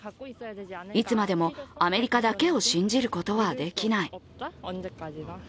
いつまでもアメリカだけを信じることはできない。